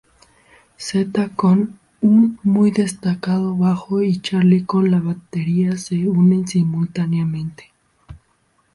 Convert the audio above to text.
Zeta con un muy destacado bajo y Charly con la batería se unen simultáneamente.